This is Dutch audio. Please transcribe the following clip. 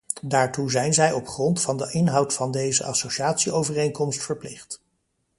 Daartoe zijn zij op grond van de inhoud van deze associatieovereenkomst verplicht.